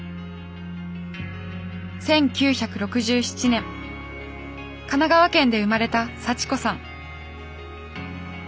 １９６７年神奈川県で生まれた幸子さん